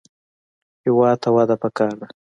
هېواد ته وده پکار ده